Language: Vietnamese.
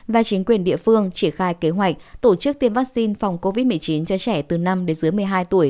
và chính quyền địa phương triển khai kế hoạch tổ chức tiêm vaccine phòng covid một mươi chín cho trẻ từ năm đến dưới một mươi hai tuổi